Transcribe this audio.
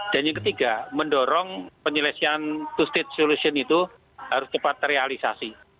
dan yang ketiga mendorong penyelesaian two state solution itu harus cepat terrealisasi